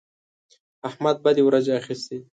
احمد بدې ورځې اخيستی دی.